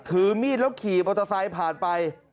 ถือมีดแล้วขี่มอเตอร์ไซค์ผ่านไป